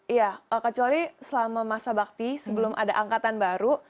iya kecuali selama masa bakti sebelum ada angkatan baru